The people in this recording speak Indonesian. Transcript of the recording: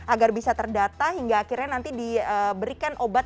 agar bisa terdata hingga akhirnya nanti diberikan obat